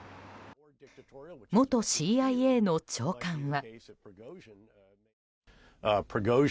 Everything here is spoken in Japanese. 元ＣＩＡの長官は。